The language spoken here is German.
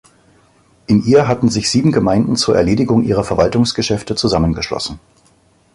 In ihr hatten sich sieben Gemeinden zur Erledigung ihrer Verwaltungsgeschäfte zusammengeschlossen.